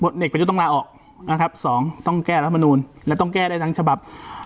เด็กต้องลาออกนะครับ๒ต้องแก้แล้วมนุษย์แล้วต้องแก้ได้ทั้งฉบับ